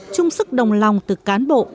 trung sức đồng lòng từ cán bộ